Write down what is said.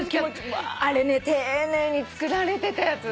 あれね丁寧に作られてたやつ。